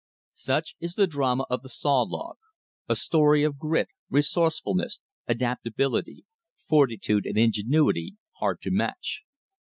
Such is the drama of the saw log, a story of grit, resourcefulness, adaptability, fortitude and ingenuity hard to match.